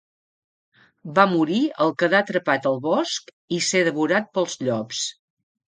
Va morir al quedar atrapat al bosc i ser devorat pels llops.